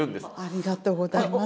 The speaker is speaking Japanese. ありがとうございます。